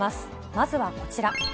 まずはこちら。